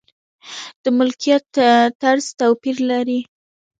د ملکیت طرز توپیر لري.